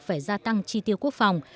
phải gia tăng chi tiêu quốc phòng